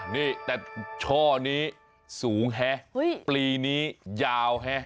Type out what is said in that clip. นี่แต่ช่อนี้สูงฮะปีนี้ยาวฮะ